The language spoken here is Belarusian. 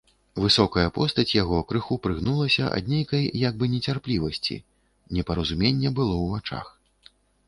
Высокая постаць яго крыху прыгнулася ад нейкай як бы нецярплівасці, непаразуменне было ў вачах.